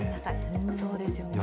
そうですよね。